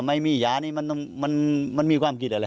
พิษจบอย่างดี